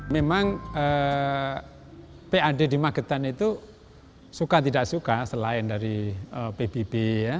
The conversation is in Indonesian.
memang pad di magetan itu suka tidak suka selain dari pbb ya